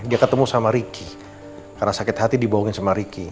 dia ketemu sama ricky karena sakit hati dibohongin sama ricky